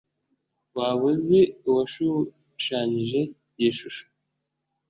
waba uzi uwashushanyije iyi shusho